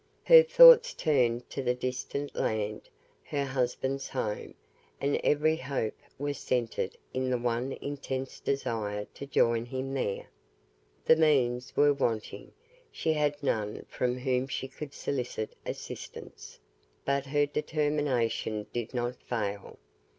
Her thoughts turned to the distant land, her husband's home, and every hope was centred in the one intense desire to join him there. The means were wanting, she had none from whom she could solicit assistance, but her determination did not fail.